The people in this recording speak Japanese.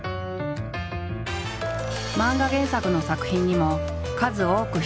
漫画原作の作品にも数多く出演。